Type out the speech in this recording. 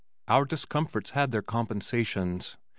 Our discomforts had their compensations!